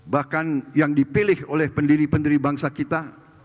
bahkan yang dipilih oleh pendiri pendiri bangsa kita